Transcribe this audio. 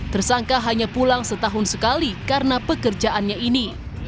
tersangka hanya pulang setahun sekali karena pekerjaannya ini